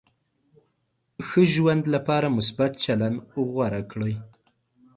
ښه ژوند لپاره مثبت چلند غوره کړئ.